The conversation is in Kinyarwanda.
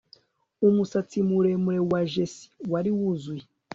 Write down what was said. Umusatsi muremure wa Jessie wari wuzuye